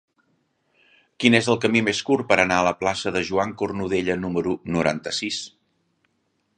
Quin és el camí més curt per anar a la plaça de Joan Cornudella número noranta-sis?